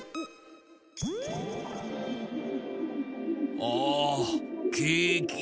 ああケーキ。